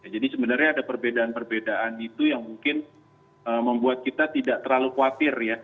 jadi sebenarnya ada perbedaan perbedaan itu yang mungkin membuat kita tidak terlalu khawatir ya